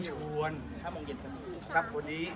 สวัสดีทุกคน